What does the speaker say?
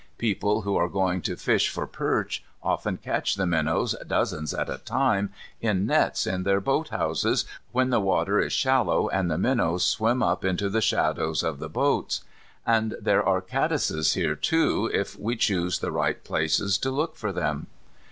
People who are going to fish for perch often catch the minnows dozens at a time in nets in their boathouses, when the water is shallow, and the minnows swim up into the shadows of the boats. And there are caddises there too, if we choose the right places to look for them.